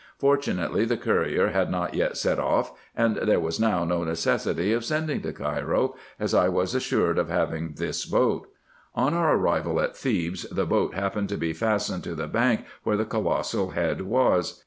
Fortunately, the courier had not yet set off, and there was now no necessity of sending to Cairo, as I was assured of having this boat. On our arrival at Thebes, the boat happened to be fastened to the bank, where the colossal head was.